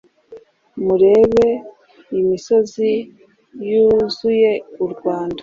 Murebe imisozi yuzuye u Rwanda,